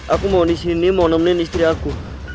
aku mau disini mau nemenin istri aku